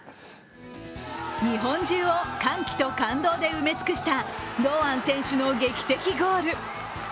日本中を歓喜と感動で埋め尽くした堂安選手の劇的ゴール。